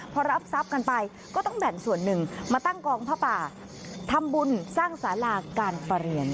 พอรับทรัพย์กันไปก็ต้องแบ่งส่วนหนึ่งมาตั้งกองผ้าป่าทำบุญสร้างสาราการประเรียน